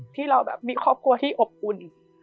ที่เราแบบมีครอบครัวที่อบอุ่น